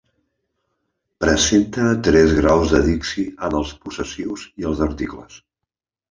Presenta tres graus de dixi en els possessius i els articles.